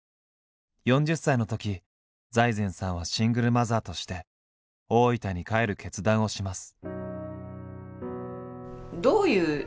４０歳のとき財前さんはシングルマザーとして大分に帰る決断をします。